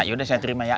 yaudah saya terima ya